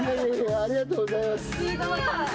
ありがとうございます。